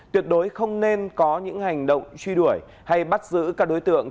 tuyệt đối không nên có những hành động truy đuổi hay bắt giữ các đối tượng